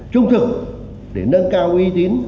trung thực để nâng cao uy tín